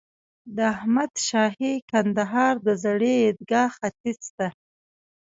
د احمد شاهي کندهار د زړې عیدګاه ختیځ ته.